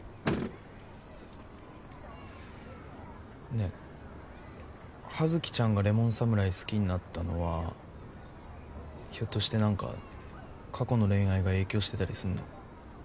ねえ羽月ちゃんがレモン侍好きになったのはひょっとして何か過去の恋愛が影響してたりすんの？